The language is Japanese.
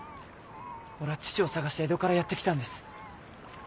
俺は父を探して江戸からやって来たんです。